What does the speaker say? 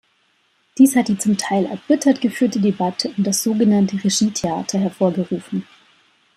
Dies hat die zum Teil erbittert geführte Debatte um das sogenannte „Regietheater“ hervorgerufen.